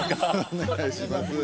お願いします